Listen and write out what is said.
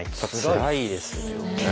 つらいですよね。